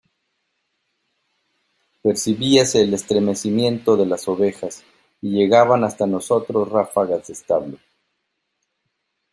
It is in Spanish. percibíase el estremecimiento de las ovejas, y llegaban hasta nosotros ráfagas de establo